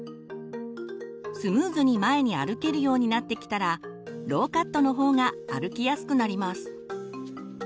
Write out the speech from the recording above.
スムーズに前に歩けるようになってきたらローカットの方が歩きやすくなります。